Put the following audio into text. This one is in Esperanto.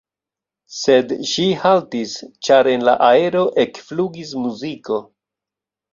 Sed ŝi haltis, ĉar en la aero ekflugis muziko.